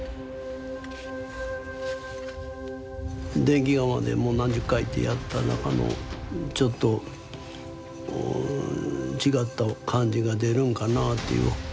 電気窯でもう何十回ってやった中のちょっと違った感じが出るんかなっていう。